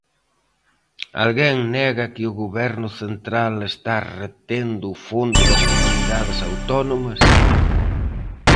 ¿Alguén nega que o Goberno central está retendo o fondo das comunidades autónomas?